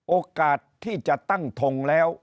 โอกาสที่จะตั้งทงแล้ว